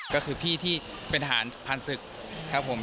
ก็คือพี่ที่เป็นทหารผ่านศึกครับผม